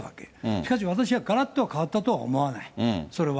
しかし、私はがらっとは変わったとは思わない、それは。